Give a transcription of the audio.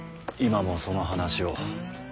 今もその話を。